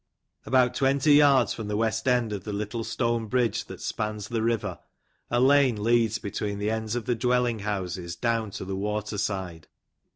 About twenty yards from the west end of the little stone bridge that spans the river, a lane leads between the ends of the dwelling houses down to the water side.